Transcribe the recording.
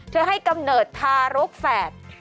ให้กำเนิดทารกแฝด